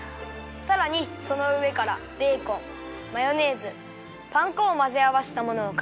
さらにそのうえからベーコンマヨネーズパン粉をまぜあわせたものをかけます。